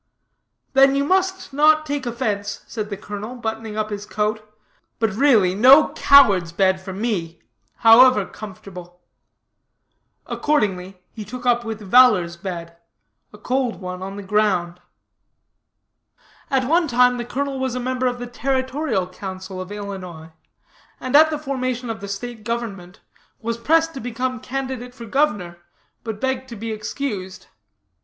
"Then you must not take offense," said the colonel, buttoning up his coat, "but, really, no coward's bed, for me, however comfortable." Accordingly he took up with valor's bed a cold one on the ground. "'At one time the colonel was a member of the territorial council of Illinois, and at the formation of the state government, was pressed to become candidate for governor, but begged to be excused.